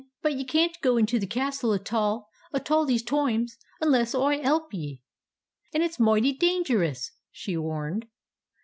But ye can't go into the Castle atall, atall, these toimes, unless Oi help ye." "And it's moighty dangerous!" she warned.